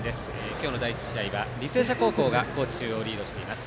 今日の第１試合は履正社高校が高知中央高校をリードしています。